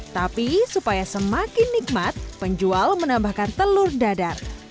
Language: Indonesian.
tapi supaya semakin nikmat penjual menambahkan telur dadar